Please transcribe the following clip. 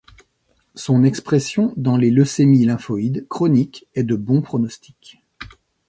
Son expression dans les leucémies lymphoïdes chroniques est de bon pronostic.